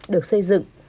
được xây dựng